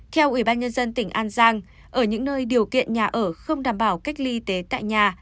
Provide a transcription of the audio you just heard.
theo ubnd tỉnh an giang ở những nơi điều kiện nhà ở không đảm bảo cách ly tế tại nhà